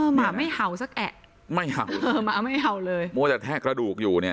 หมาไม่เห่าสักแอะไม่เห่าเออหมาไม่เห่าเลยมัวแต่แทกกระดูกอยู่เนี่ย